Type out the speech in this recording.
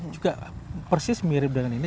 juga persis mirip dengan ini